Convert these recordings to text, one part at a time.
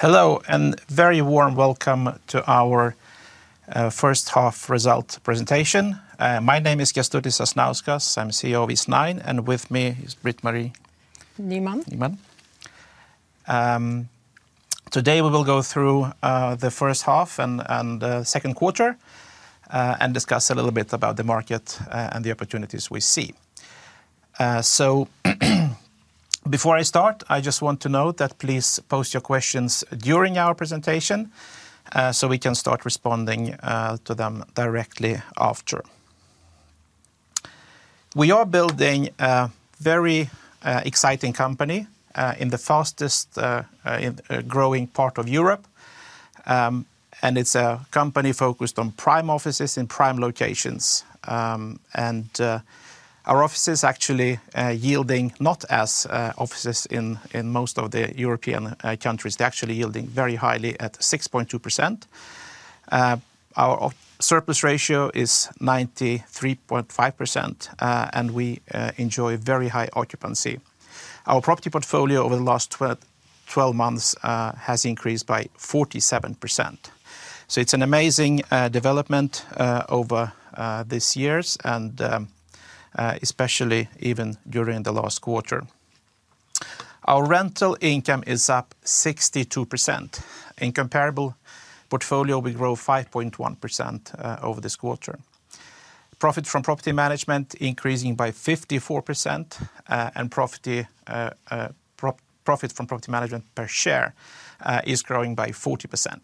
Hello and very warm welcome to our first half result presentation. My name is Kestutis Sasnauskas, I'm CEO of Eastnine, and with me is Britt-Marie Nyman. Today we will go through the first half and the second quarter and discuss a little bit about the market and the opportunities we see. Before I start, I just want to note that please post your questions during our presentation so we can start responding to them directly after. We are building a very exciting company in the fastest growing part of Europe, and it's a company focused on prime offices in prime locations. Our offices actually yield not as offices in most of the European countries, they're actually yielding very highly at 6.2%. Our surplus ratio is 93.5%, and we enjoy very high occupancy. Our property portfolio over the last 12 months has increased by 47%. It's an amazing development over these years, especially even during the last quarter. Our rental income is up 62%. In comparable portfolio, we grow 5.1% over this quarter. Profit from property management is increasing by 54%, and profit from property management per share is growing by 40%.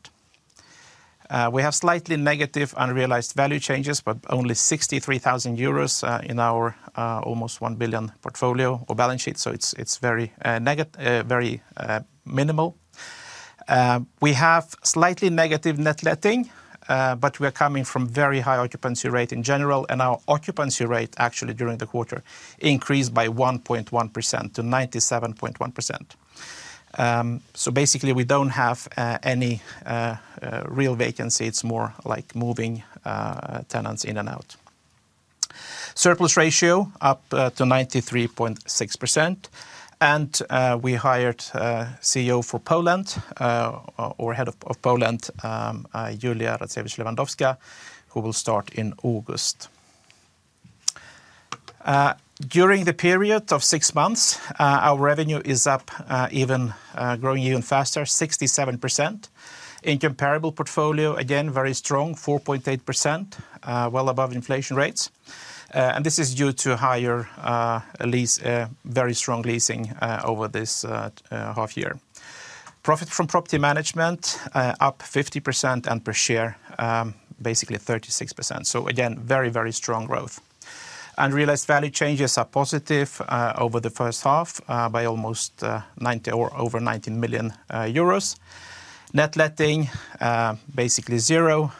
We have slightly negative unrealized value changes, but only 63,000 euros in our almost 1 billion portfolio or balance sheet, so it's very minimal. We have slightly negative net letting, but we are coming from a very high occupancy rate in general, and our occupancy rate actually during the quarter increased by 1.1% to 97.1%. Basically, we don't have any real vacancy, it's more like moving tenants in and out. Surplus ratio up to 93.6%, and we hired Head of Poland, Julia Racewicz-Lewandowska, who will start in August. During the period of six months, our revenue is up, growing even faster, 67%. In comparable portfolio, again very strong, 4.8%, well above inflation rates, and this is due to higher lease, very strong leasing over this half year. Profit from property management up 50% and per share basically 36%, so again very, very strong growth. Unrealized value changes are positive over the first half by almost 19 million euros. Net letting basically zero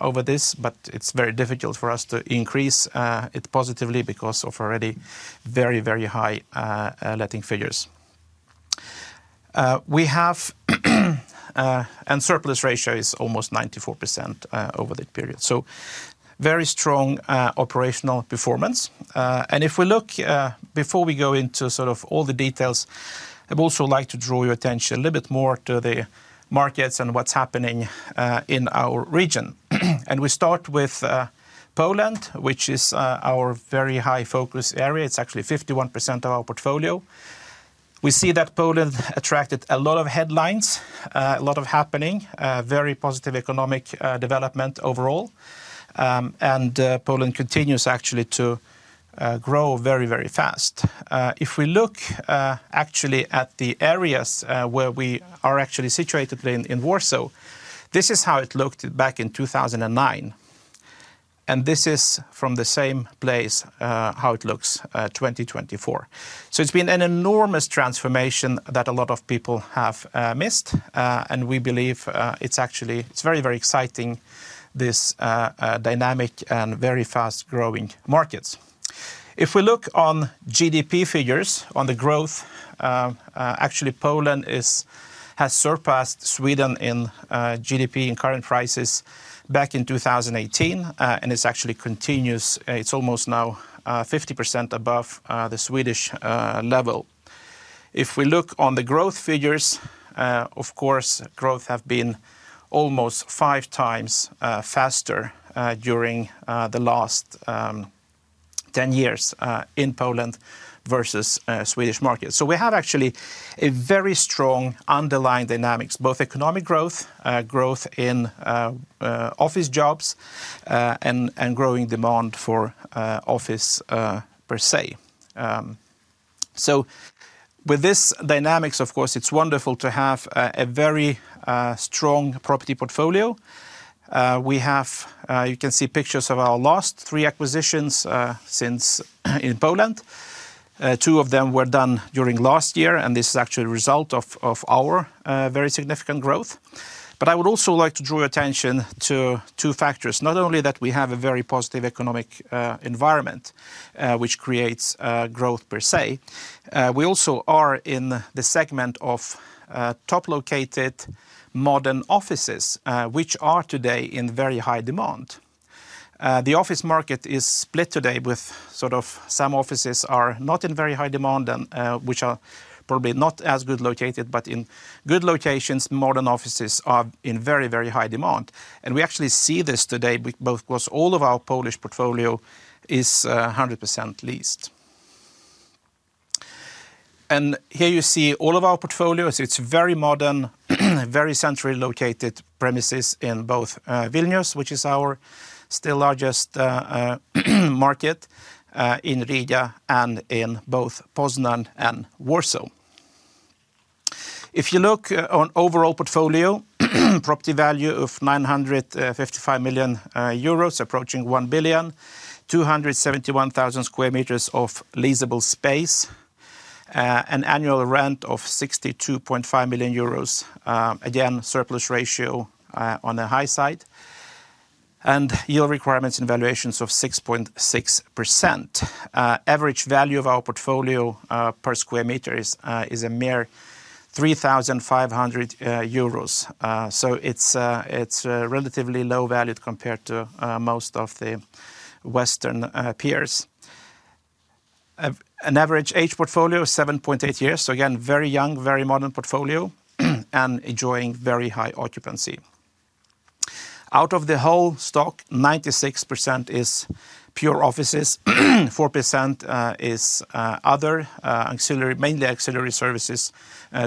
over this, but it's very difficult for us to increase it positively because of already very, very high letting figures. We have a surplus ratio that is almost 94% over that period, so very strong operational performance. If we look before we go into all the details, I'd also like to draw your attention a little bit more to the markets and what's happening in our region. We start with Poland, which is our very high focus area. It's actually 51% of our portfolio. We see that Poland attracted a lot of headlines, a lot of happening, very positive economic development overall, and Poland continues actually to grow very, very fast. If we look at the areas where we are actually situated in Warsaw, this is how it looked back in 2009, and this is from the same place how it looks 2024. It's been an enormous transformation that a lot of people have missed, and we believe it's actually very, very exciting, this dynamic and very fast growing markets. If we look on GDP figures, on the growth, actually Poland has surpassed Sweden in GDP in current prices back in 2018, and it's actually continuous. It's almost now 50% above the Swedish level. If we look on the growth figures, of course, growth has been almost five times faster during the last 10 years in Poland versus Swedish markets. We have actually a very strong underlying dynamics, both economic growth, growth in office jobs, and growing demand for office per se. With this dynamics, of course, it's wonderful to have a very strong property portfolio. You can see pictures of our last three acquisitions in Poland. Two of them were done during last year, and this is actually a result of our very significant growth. I would also like to draw your attention to two factors. Not only that we have a very positive economic environment, which creates growth per se, we also are in the segment of top-located modern offices, which are today in very high demand. The office market is split today with some offices that are not in very high demand, and which are probably not as good located, but in good locations, modern offices are in very, very high demand. We actually see this today because all of our Polish portfolio is 100% leased. Here you see all of our portfolios. It's very modern, very centrally located premises in both Vilnius, which is our still largest market, in Riga, and in both Poznan and Warsaw. If you look on overall portfolio, property value of 955 million euros, approaching 1 billion, 271,000 sq m of leasable space, an annual rent of 62.5 million euros, again surplus ratio on the high side, and yield requirements and valuations of 6.6%. Average value of our portfolio per square meter is a mere 3,500 euros, so it's relatively low valued compared to most of the Western peers. An average age portfolio is 7.8 years, so again very young, very modern portfolio, and enjoying very high occupancy. Out of the whole stock, 96% is pure offices, 4% is other auxiliary, mainly auxiliary services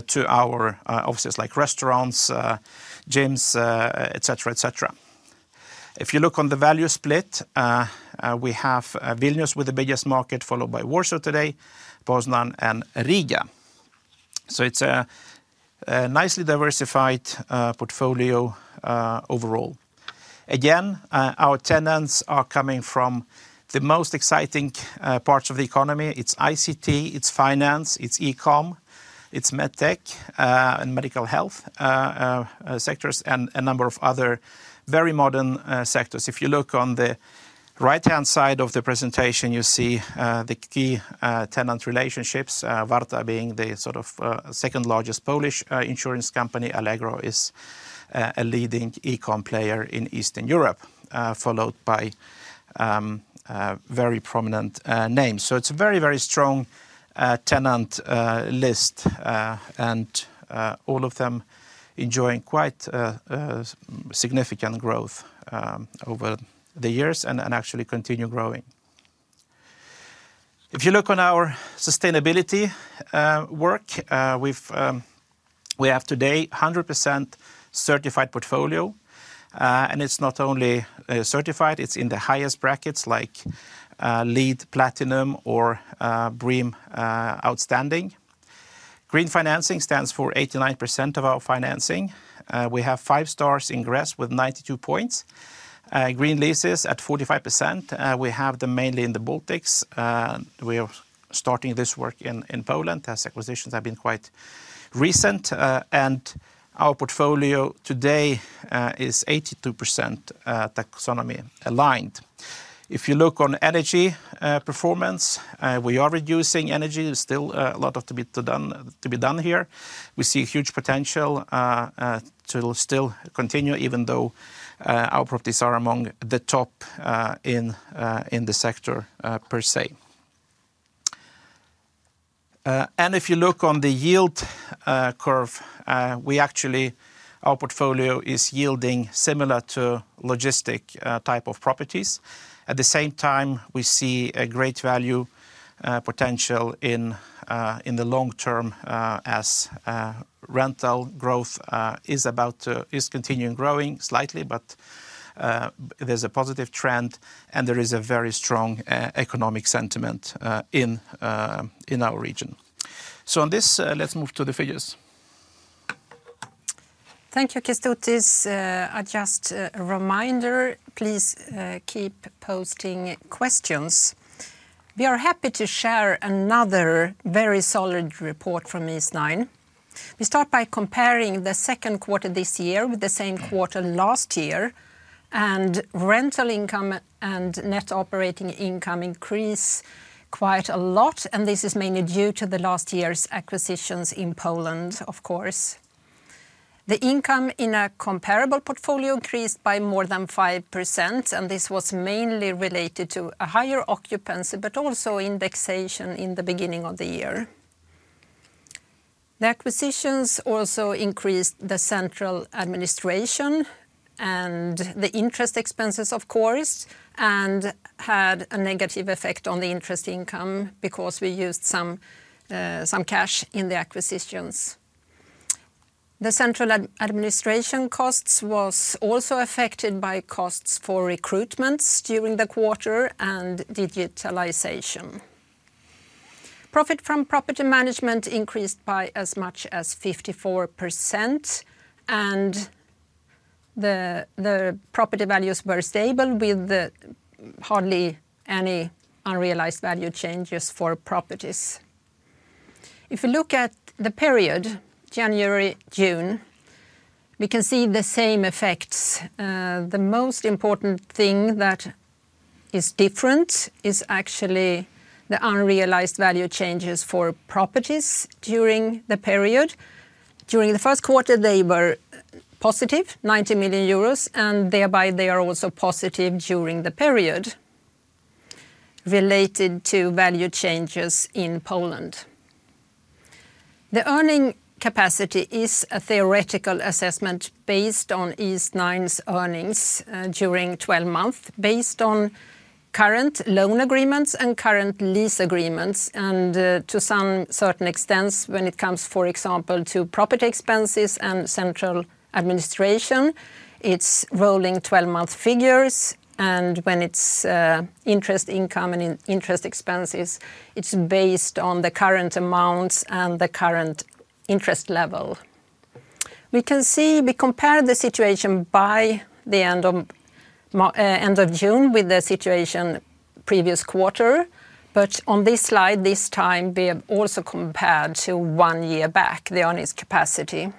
to our offices like restaurants, gyms, etc., etc. If you look on the value split, we have Vilnius with the biggest market, followed by Warsaw today, Poznan, and Riga. It's a nicely diversified portfolio overall. Our tenants are coming from the most exciting parts of the economy. It's ICT, it's finance, it's e-com, it's medtech, and medical health sectors, and a number of other very modern sectors. If you look on the right-hand side of the presentation, you see the key tenant relationships, PZU being the sort of second largest Polish insurance company, Allegro is a leading e-com player in Eastern Europe, followed by very prominent names. It's a very, very strong tenant list, and all of them enjoying quite significant growth over the years and actually continue growing. If you look on our sustainability work, we have today 100% certified portfolio, and it's not only certified, it's in the highest brackets like LEED Platinum or BREEAM Outstanding. Green financing stands for 89% of our financing. We have five stars ingress with 92 points. Green leases at 45%. We have them mainly in the Baltics. We are starting this work in Poland. Tax acquisitions have been quite recent, and our portfolio today is 82% taxonomy aligned. If you look on energy performance, we are reducing energy. There's still a lot to be done here. We see huge potential to still continue, even though our properties are among the top in the sector per se. If you look on the yield curve, our portfolio is yielding similar to logistic type of properties. At the same time, we see a great value potential in the long term as rental growth is about to, is continuing growing slightly, but there's a positive trend and there is a very strong economic sentiment in our region. On this, let's move to the figures. Thank you, Kestutis. Just a reminder, please keep posting questions. We are happy to share another very solid report from Eastnine. We start by comparing the second quarter this year with the same quarter last year, and rental income and net operating income increase quite a lot, and this is mainly due to last year's acquisitions in Poland, of course. The income in a comparable portfolio increased by more than 5%, and this was mainly related to a higher occupancy, but also indexation in the beginning of the year. The acquisitions also increased the central administration and the interest expenses, of course, and had a negative effect on the interest income because we used some cash in the acquisitions. The central administration costs were also affected by costs for recruitments during the quarter and digitalization. Profit from property management increased by as much as 54%, and the property values were stable with hardly any unrealized value changes for properties. If we look at the period January-June, we can see the same effects. The most important thing that is different is actually the unrealized value changes for properties during the period. During the first quarter, they were positive, 90 million euros, and thereby they are also positive during the period related to value changes in Poland. The earning capacity is a theoretical assessment based on Eastnine's earnings during 12 months, based on current loan agreements and current lease agreements, and to some certain extent when it comes, for example, to property expenses and central administration, it's rolling 12-month figures, and when it's interest income and interest expenses, it's based on the current amounts and the current interest level. We can see we compare the situation by the end of June with the situation previous quarter, but on this slide, this time we have also compared to one year back the earnings capacity.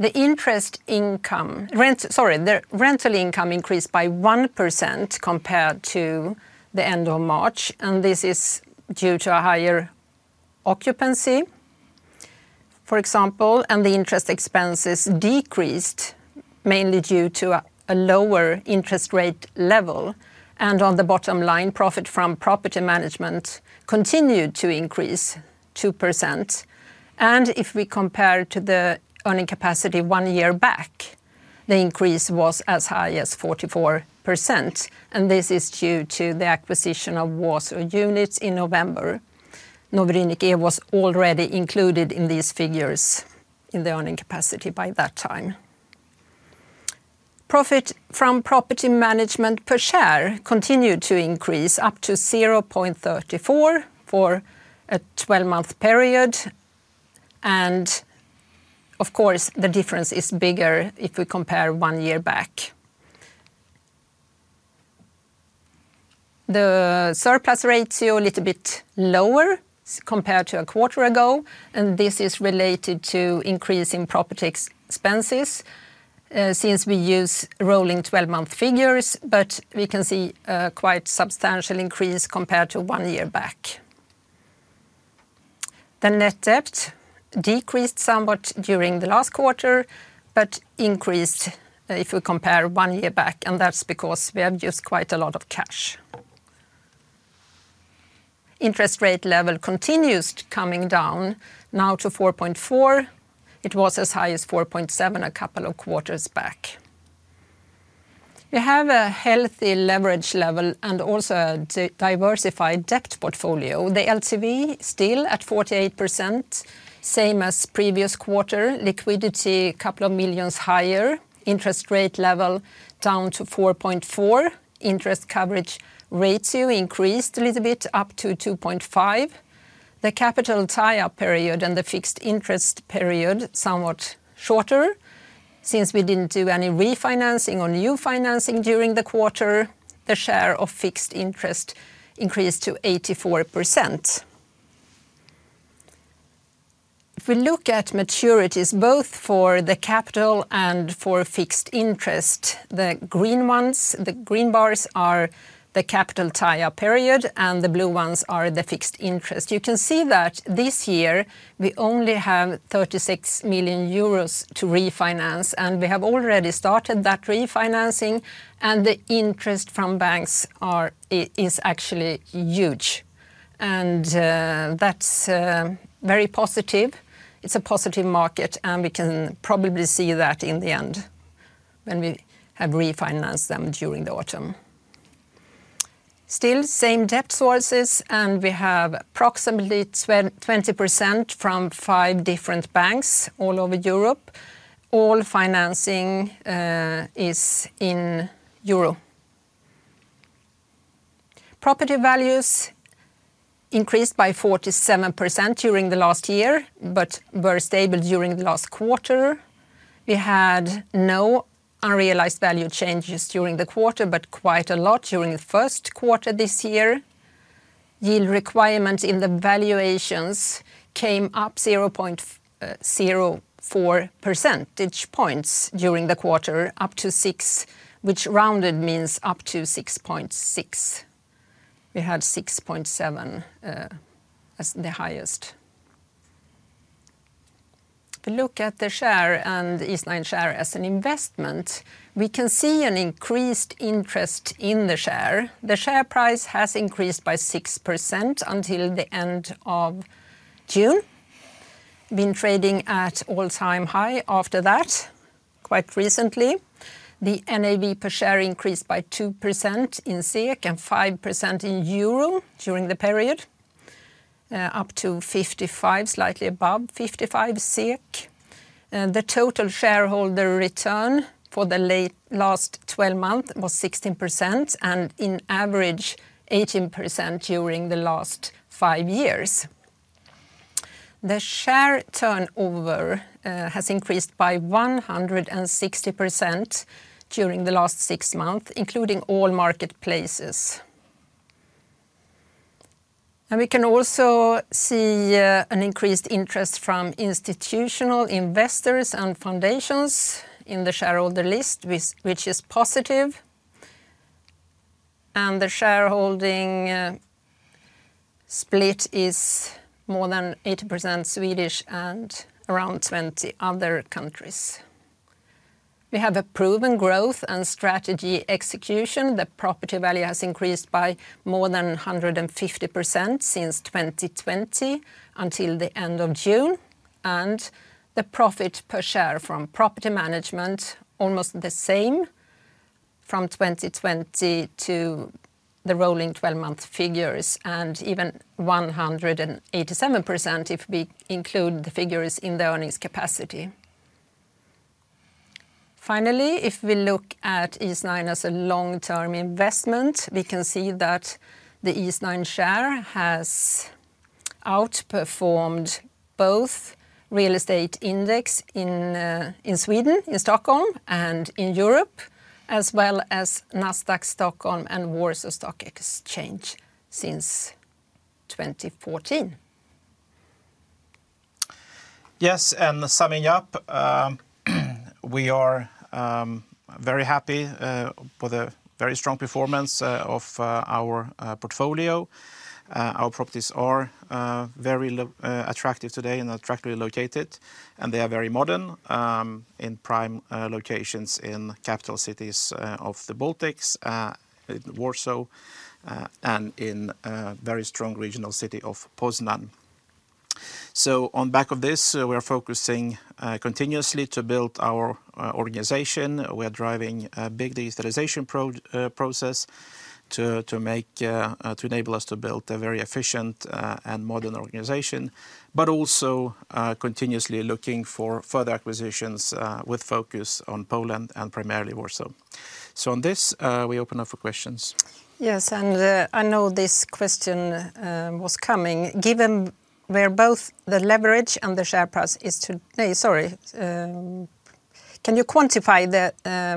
The interest income, sorry, the rental income increased by 1% compared to the end of March, and this is due to a higher occupancy, for example, and the interest expenses decreased mainly due to a lower interest rate level. On the bottom line, profit from property management continued to increase 2%. If we compare to the earning capacity one year back, the increase was as high as 44%, and this is due to the acquisition of Warsaw units in November. Nowy Rynek was already included in these figures in the earning capacity by that time. Profit from property management per share continued to increase up to 0.34 for a 12-month period, and of course, the difference is bigger if we compare one year back. The surplus ratio is a little bit lower compared to a quarter ago, and this is related to increasing property expenses since we use rolling 12-month figures, but we can see a quite substantial increase compared to one year back. The net debt decreased somewhat during the last quarter, but increased if we compare one year back, and that's because we have used quite a lot of cash. Interest rate level continues coming down now to 4.4%. It was as high as 4.7% a couple of quarters back. We have a healthy leverage level and also a diversified debt portfolio. The LTV is still at 48%, same as previous quarter. Liquidity is a couple of million higher. Interest rate level is down to 4.4%. Interest coverage ratio increased a little bit up to 2.5%. The capital tie-up period and the fixed interest period are somewhat shorter since we didn't do any refinancing or new financing during the quarter. The share of fixed interest increased to 84%. If we look at maturities both for the capital and for fixed interest, the green ones, the green bars are the capital tie-up period, and the blue ones are the fixed interest. You can see that this year we only have 36 million euros to refinance, and we have already started that refinancing, and the interest from banks is actually huge, and that's very positive. It's a positive market, and we can probably see that in the end when we have refinanced them during the autumn. Still, same debt sources, and we have approximately 20% from five different banks all over Europe. All financing is in Euro. Property values increased by 47% during the last year, but were stable during the last quarter. We had no unrealized value changes during the quarter, but quite a lot during the first quarter this year. Yield requirements in the valuations came up 0.04 percentage points during the quarter, up to 6%, which rounded means up to 6.6%. We had 6.7% as the highest. If we look at the share and Eastnine share as an investment, we can see an increased interest in the share. The share price has increased by 6% until the end of June. Been trading at all-time high after that quite recently. The NAV per share increased by 2% in SEK and 5% in Euro during the period, up to 55%, slightly above 55% SEK. The total shareholder return for the last 12 months was 16% and in average 18% during the last five years. The share turnover has increased by 160% during the last six months, including all marketplaces. We can also see an increased interest from institutional investors and foundations in the shareholder list, which is positive. The shareholding split is more than 80% Swedish and around 20% other countries. We have a proven growth and strategy execution. The property value has increased by more than 150% since 2020 until the end of June. The profit per share from property management is almost the same from 2020 to the rolling 12-month figures and even 187% if we include the figures in the earnings capacity. Finally, if we look at Eastnine as a long-term investment, we can see that the Eastnine share has outperformed both real estate index in Sweden, in Stockholm, and in Europe, as well as Nasdaq Stockholm and Warsaw Stock Exchange since 2014. Yes, and summing up, we are very happy with a very strong performance of our portfolio. Our properties are very attractive today and attractively located, and they are very modern in prime locations in capital cities of the Baltics, Warsaw, and in a very strong regional city of Poznan. On the back of this, we are focusing continuously to build our organization. We are driving a big digitalization process to enable us to build a very efficient and modern organization, but also continuously looking for further acquisitions with focus on Poland and primarily Warsaw. On this, we open up for questions. Yes, I know this question was coming. Given where both the leverage and the share price is today, sorry, can you quantify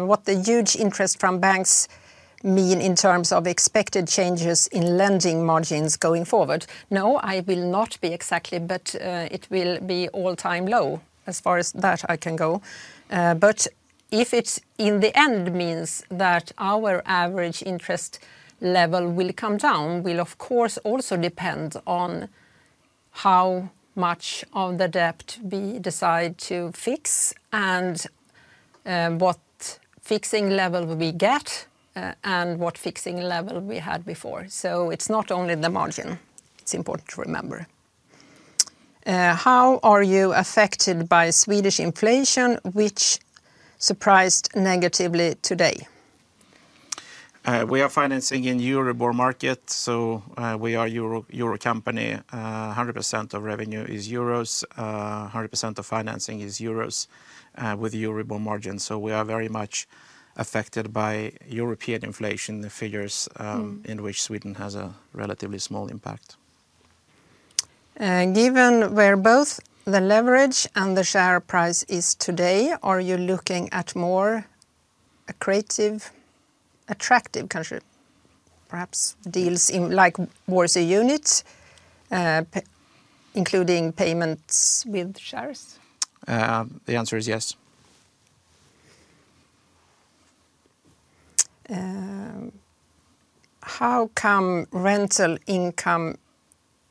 what the huge interest from banks mean in terms of expected changes in lending margins going forward? No, I will not be exactly, but it will be all-time low as far as that I can go. If it in the end means that our average interest level will come down, it will of course also depend on how much of the debt we decide to fix and what fixing level we get and what fixing level we had before. It's not only the margin; it's important to remember. How are you affected by Swedish inflation, which surprised negatively today? We are financing in the Euribor market, so we are a Euro company. 100% of revenue is Euros. 100% of financing is Euros with Euribor margins. We are very much affected by European inflation figures in which Sweden has a relatively small impact. Given where both the leverage and the share price is today, are you looking at more accretive, attractive country? Perhaps deals in like Warsaw units, including payments with shares? The answer is yes. How come rental income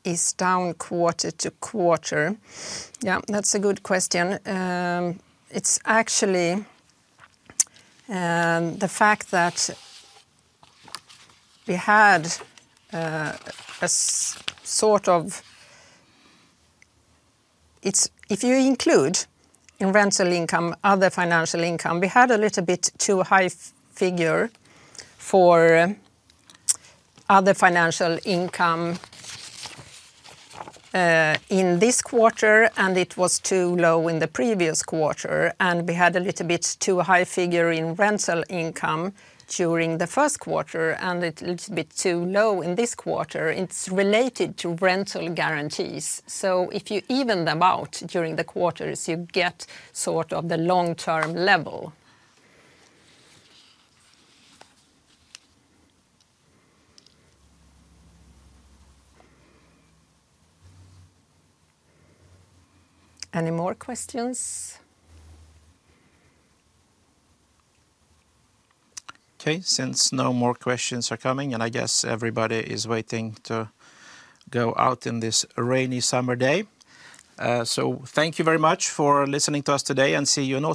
is down quarter to quarter? Yeah, that's a good question. It's actually the fact that we had a sort of, if you include in rental income other financial income, we had a little bit too high figure for other financial income in this quarter, and it was too low in the previous quarter. We had a little bit too high figure in rental income during the first quarter, and it's a little bit too low in this quarter. It's related to rental guarantees. If you even them out during the quarters, you get sort of the long-term level. Any more questions? Okay, since no more questions are coming, I guess everybody is waiting to go out in this rainy summer day. Thank you very much for listening to us today, and see you on.